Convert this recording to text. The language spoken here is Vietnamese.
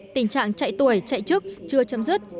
tình trạng chạy tuổi chạy trước chưa chấm dứt